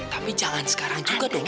tapi jangan sekarang juga dong